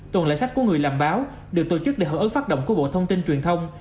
tuần lễ sách của người làm báo được tổ chức để hợp ứng phát động của bộ thông tin truyền thông